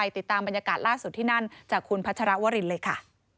ติดตามบรรยากาศล่าสุดที่นั่นจากคุณพัชรวรินเลยค่ะ